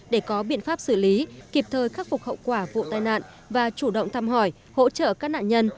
để có biện pháp xử lý kịp thời khắc phục hậu quả vụ tai nạn và chủ động thăm hỏi hỗ trợ các nạn nhân